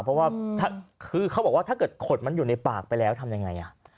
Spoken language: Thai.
เพราะว่าคือเขาบอกว่าถ้าเกิดขดมันอยู่ในปากไปแล้วทำยังไง